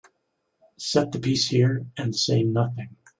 Set the piece here and say nothing.